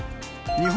日本！